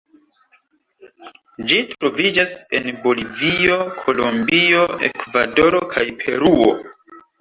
Ĝi troviĝas en Bolivio, Kolombio, Ekvadoro kaj Peruo.